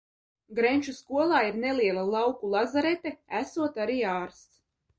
Grenču skolā ir neliela lauku lazarete, esot arī ārsts.